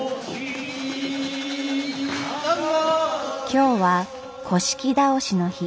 今日は倒しの日。